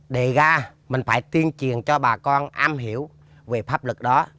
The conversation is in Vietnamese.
để ra mình phải tiên truyền cho bà con am hiểu về pháp luật đó